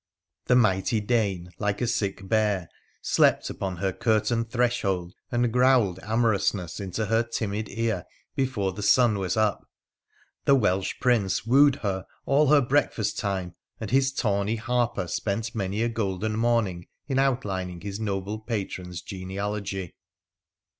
The mighty Dane, like a sick bear, slept upon her curtained threshold and growled amorousness into her timid ear before the sun was up. The Welsh Prince wooed her all her breakfast time, and his tawny harper spent many a golden morning in outlining his noble patron's genea logy.